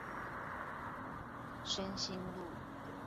深興路